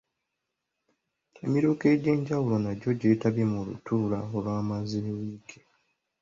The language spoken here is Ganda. Emiruka egy'enjawulo nagyo gyetabye mu lutuula olwamaze wiiki.